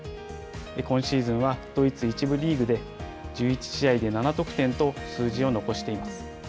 今シーズンは、ドイツ１部リーグで１１試合で７得点と数字を残しています。